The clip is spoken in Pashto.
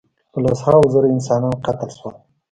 په لس هاوو زره انسانان قتل شول.